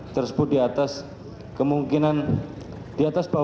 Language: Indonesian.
tersebut di atas kemungkinan ada jenis racun lain yang menjadi penyebab kematian korban dapat dibantah